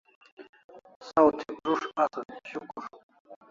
Saw thi prus't asan shukur